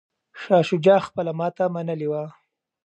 شاه شجاع خپله ماته منلې وه.